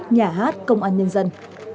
nhà hát công an nhân dân